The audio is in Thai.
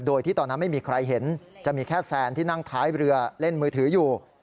โดยที่ตอนนั้นไม่มีใครเห็นจะมีแค่แซนที่นั่งท้ายเรือเล่นมือถืออยู่